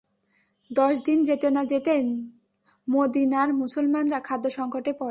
দশদিন যেতে না যেতেই মদীনার মুসলমানরা খাদ্য-সংকটে পড়ে।